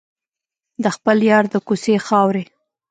د خپل یار د کوڅې خاورې.